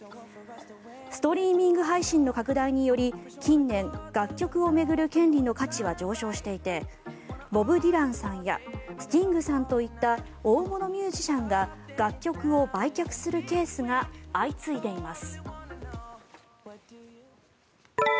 ストリーミング配信の拡大により近年、楽曲を巡る権利の価値は上昇していてボブ・ディランさんやスティングさんといった大物ミュージシャンが楽曲を売却するケースが相次いでいます。